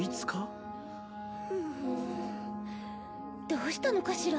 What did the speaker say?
どうしたのかしら？